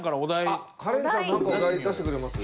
あっカレンちゃん何かお題出してくれます？